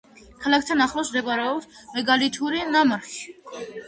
ქალაქთან ახლოს მდებარეობს მეგალითური ნამარხი.